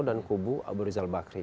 dan kubu abu rizal bakri